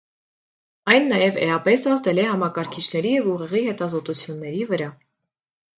Այն նաև էապես ազդել է համակարգիչների և ուղեղի հետազոտությունների վրա։